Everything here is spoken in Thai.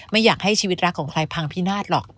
ไม่อยากให้ชีวิตรักของใครพังพินาศหรอก